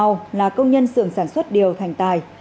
anh tài là công nhân sưởng sản xuất điều thành tài